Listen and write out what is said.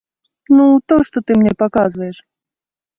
Ну, то што ты мне паказваеш!